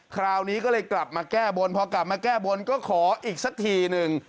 คราวนี้ก็เลยกลับมาแก้บนพอกลับมาแก้บนก็ขออีกสักทีหนึ่ง